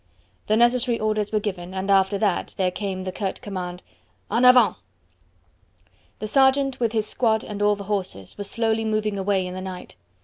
The necessary orders were given, and after that there came the curt command: "En avant!" The sergeant, with his squad and all the horses, was slowly moving away in the night.